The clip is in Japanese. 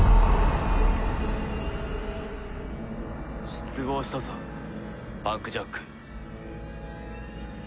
失望したぞパンクジャック。